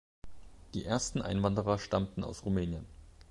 Die ersten Einwanderer stammten aus Rumänien.